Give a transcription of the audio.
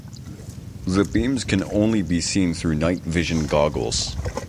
The beams can only be seen through night vision goggles.